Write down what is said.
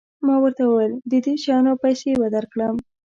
ما ورته وویل د دې شیانو پیسې به درکړم.